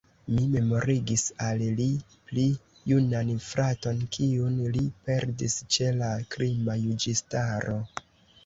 Mi memorigis al li pli junan fraton, kiun li perdis ĉe la krima juĝistaro.